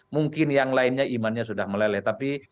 mungkin yang lainnya imannya sudah meleleh tapi